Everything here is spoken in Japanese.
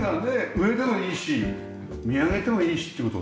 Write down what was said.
上でもいいし見上げてもいいしって事。